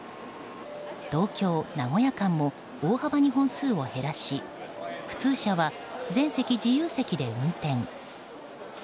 東京名古屋間も大幅に本数を減らし普通車は全席自由席で運転。